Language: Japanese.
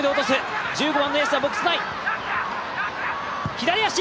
左足！